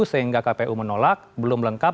sehingga kpu menolak belum lengkap